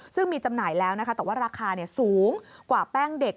ซึ่งมีจำหน่ายแล้วนะคะแต่ว่าราคาสูงกว่าแป้งเด็ก